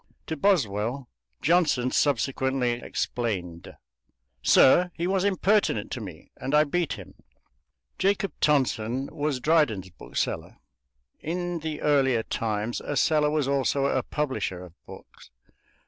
To Boswell Johnson subsequently explained: "Sir, he was impertinent to me, and I beat him." Jacob Tonson was Dryden's bookseller; in the earlier times a seller was also a publisher of books.